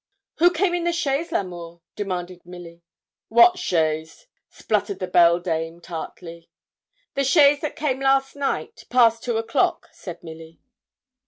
'Who came in the chaise, L'Amour?' demanded Milly. 'What chaise?' spluttered the beldame tartly. 'The chaise that came last night, past two o'clock,' said Milly.